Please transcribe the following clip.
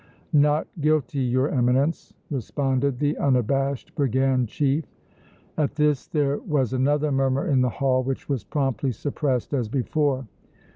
"Not guilty, your Eminence!" responded the unabashed brigand chief. At this there was another murmur in the hall which was promptly suppressed as before.